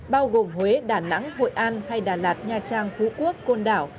bao gồm huế đà nẵng hội an hay đà lạt nha trang phú quốc côn đảo